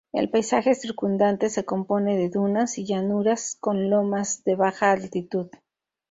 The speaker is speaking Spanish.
El paisaje circundante se compone de dunas, y llanuras con lomas de baja altitud.